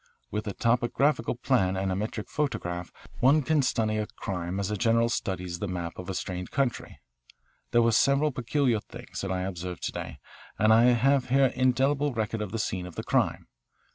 With a topographical plan and a metric photograph one can study a crime as a general studies the map of a strange country. There were several peculiar things that I observed to day, and I have here an indelible record of the scene of the crime.